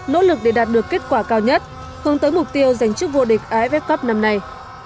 nỗ lực để đạt được kết quả cao nhất hướng tới mục tiêu giành chức vô địch aff cup năm nay